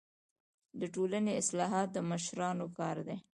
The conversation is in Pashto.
د ټولني اصلاحات د مشرانو کار دی.